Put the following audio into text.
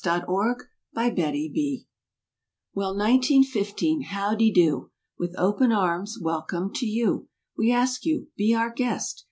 WELCOME 1915 Well nineteen fifteen—^"How de do!" With open arms—"Welcome to you!" We ask you—"Be our guest!"